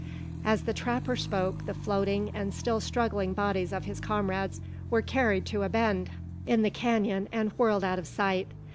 As the trapper spoke, the floating and still struggling bodies of his comrades were carried to a bend in the canon, and whirled out of sight.